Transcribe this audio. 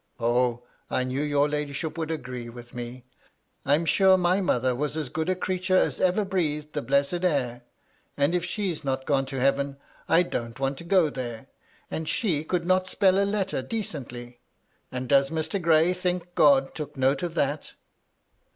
O, I knew your ladyship would agree with me. VOL, I. L 218 MY LADY LUDLOW. I am sure my mother was as good a creature as ever breathed the blessed air; and if she's not gone to heaven, I don't want to go there ; and she could not spell a letter decently. And does Mr. Gray think God took note of that?"